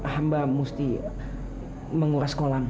hamba mesti menguras kolam